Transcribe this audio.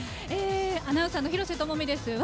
アナウンサーの廣瀬智美です。